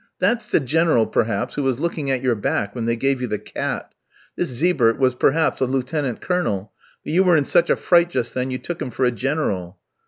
That's the General, perhaps, who was looking at your back when they gave you the cat. This Zibert was, perhaps, a Lieutenant Colonel; but you were in such a fright just then, you took him for a General."